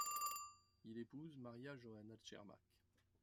Il épouse Maria Joanna Czermak.